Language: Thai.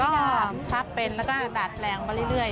ก็พับเป็นแล้วก็ดัดแรงมาเรื่อย